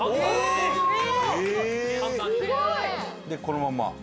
でこのまま？